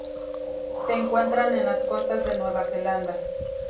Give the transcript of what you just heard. Se encuentran en las costas de Nueva Zelanda.